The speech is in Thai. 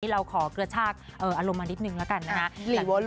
เราขอกระชากอารมณ์มานิดนึงแล้วกันนะคะ